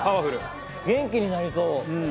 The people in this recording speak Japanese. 大西：元気になりそう。